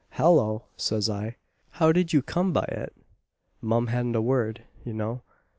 'Hallo!' says I, 'how did you come by it?' Mum. Hadn't a word, you know.